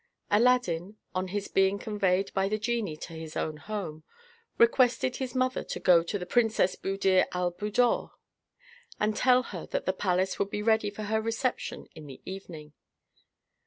Aladdin, on his being conveyed by the genie to his own home, requested his mother to go to the Princess Buddir al Buddoor, and tell her that the palace would be ready for her reception in the evening.